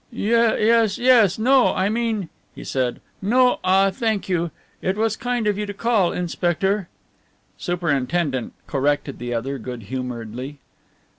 "Yes, yes no, I mean," he said, "no ah thank you. It was kind of you to call, inspector " "Superintendent," corrected the other good humouredly.